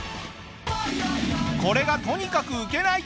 これがとにかくウケない！